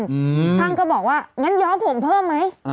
ช่างก็บอกว่างั้นย้อผมเพิ่มไหม